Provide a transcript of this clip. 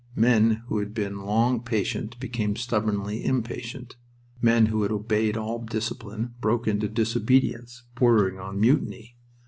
Men who had been long patient became suddenly impatient. Men who had obeyed all discipline broke into disobedience bordering on mutiny.